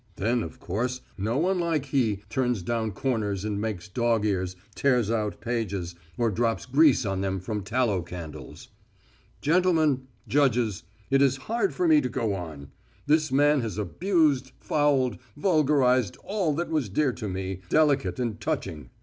Then, of course, no one like he turns down corners and makes dog ears, tears out pages, or drops grease on them from tallow candles. Gentlemen, judges, it is hard for me to go on. This man has abused, fouled, vulgarised all that was dear to me, delicate and touching.